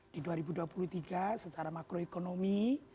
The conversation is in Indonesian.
di dua ribu dua puluh tiga secara makroekonomi